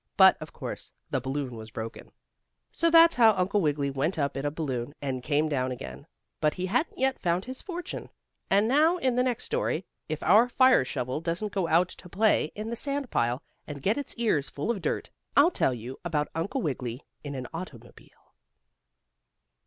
But, of course, the balloon was broken. So that's how Uncle Wiggily went up in a balloon and came down again, but he hadn't yet found his fortune. And now in the next story, if our fire shovel doesn't go out to play in the sand pile, and get its ears full of dirt, I'll tell you about Uncle Wiggily in an automobile.